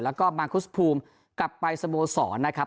แล้วก็มาคุสภูมิกลับไปสโมสรนะครับ